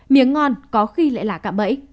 miếng ngon có khi lại là cạm bẫy